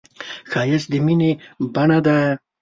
ښایست د مینې بڼه ده